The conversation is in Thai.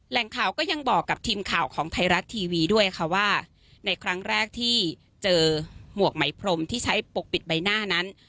แหล่งข่าวก็ยังบอกกับทีมข่าวของไทยรัฐทีวีด้วยค่ะว่าในครั้งแรกที่เจอหมวกไหมพรมที่ใช้ปกปิดใบหน้านั้น